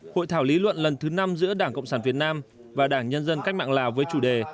hội thảo lý luận lần thứ năm giữa đảng cộng sản việt nam và đảng nhân dân cách mạng lào với chủ đề